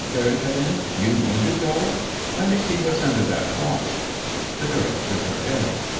Barry cut in. "You wounded, Dora? Let me see what's under that cloth!" The girl shook her head.